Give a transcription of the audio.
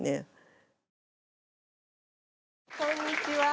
こんにちは。